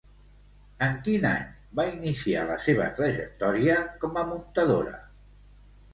En quin any va iniciar la seva trajectòria com a muntadora?